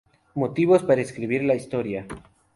Motivos para escribir la historia.